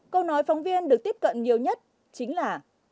câu nói phóng viên được tiếp cận nhiều nhất chính là